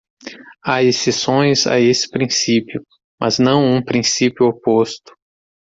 Há exceções a esse princípio, mas não um princípio oposto.